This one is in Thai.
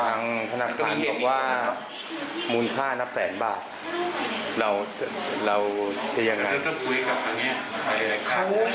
ไม่ชอบเหมือนกันหนูยังไม่รู้ราคาเลยครับ